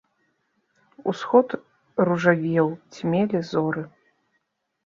Усход ружавеў, цьмелі зоры.